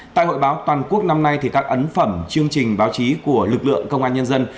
tại hội báo toàn quốc năm nay các ấn phẩm chương trình báo chí của lực lượng công an nhân dân